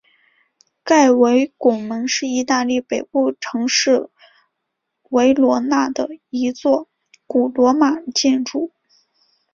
盖维拱门是意大利北部城市维罗纳的一座古罗马建筑。